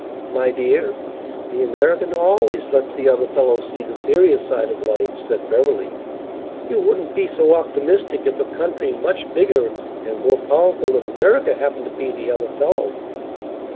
"My dear, the American always lets the other fellow see the serious side of life," said Beverly. "You wouldn't be so optimistic if a country much bigger and more powerful than America happened to be the other fellow."